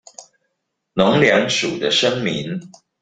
農糧署的聲明